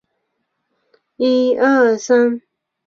托勒密星团是位于天蝎座的一个疏散星团。